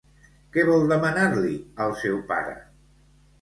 Què vol demanar-li al seu pare?